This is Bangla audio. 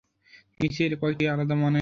নিচে এর কয়েকটি আলাদা মানে দেওয়া হল।